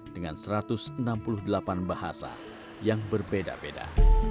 dengan satu ratus enam puluh delapan bahasa yang berbeda beda